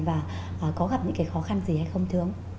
và có gặp những khó khăn gì hay không thường